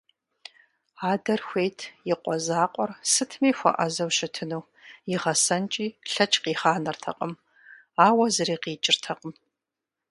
Адэр хуейт и къуэ закъуэр сытми хуэӀэзэу щытыну, игъэсэнкӀи лъэкӀ къигъанэртэкъым, ауэ зыри къикӀыртэкъым.